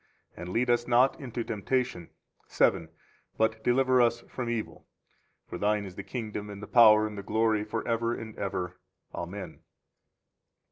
And lead us not into temptation. 7. But deliver us from evil. [For Thine is the kingdom and the power and the glory, forever and ever.] Amen.